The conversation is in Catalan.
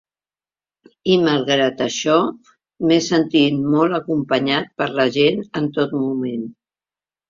I, malgrat això, m’he sentit molt acompanyat per la gent en tot moment.